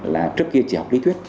là trước kia chỉ học lý thuyết